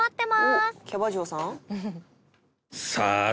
「おっキャバ嬢さん？」